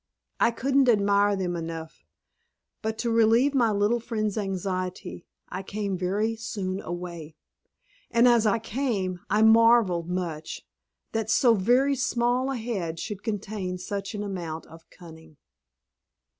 I couldn't admire them enough, but, to relieve my little friend's anxiety, I came very soon away; and as I came, I marvelled much that so very small a head should contain such an amount of cunning.